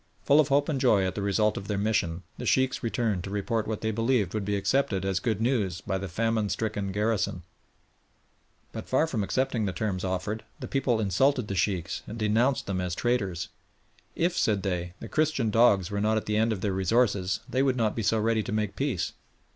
Full of hope and joy at the result of their mission, the Sheikhs returned to report what they believed would be accepted as good news by the famine stricken garrison. But far from accepting the terms offered, the people insulted the Sheikhs and denounced them as traitors. "If," said they, "the Christian dogs were not at the end of their resources they would not be so ready to make peace."